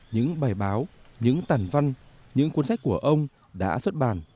những bài báo những tàn văn những cuốn sách của ông đã xuất bản